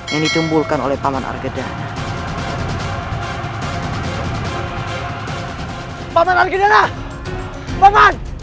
masuklah ke dalam